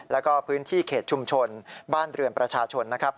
แล้วก็พื้นที่เขตชุมชนบ้านเรือนประชาชนนะครับ